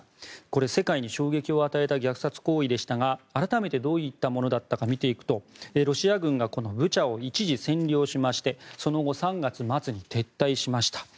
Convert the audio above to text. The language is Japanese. これ、世界に衝撃を与えた虐殺行為でしたが改めてどういったものだったか見ていくとロシア軍がブチャを一時占領しましてその後３月末に撤退しました。